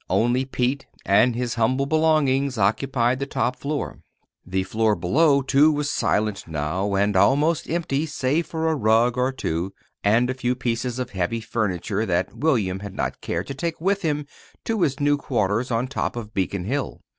Only Pete and his humble belongings occupied the top floor. The floor below, too, was silent now, and almost empty save for a rug or two, and a few pieces of heavy furniture that William had not cared to take with him to his new quarters on top of Beacon Hill.